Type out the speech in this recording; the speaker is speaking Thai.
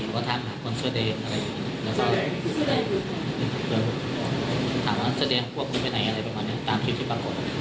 ก็ถามหาเสื้อแดงพวกมันไปไหนอะไรประมาณนี้ตามทริปที่ปรากฏ